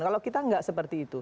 kalau kita nggak seperti itu